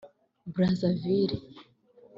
Brazzaville